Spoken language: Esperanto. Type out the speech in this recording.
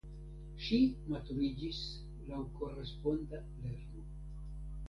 Ŝi maturiĝis laŭ koresponda lerno.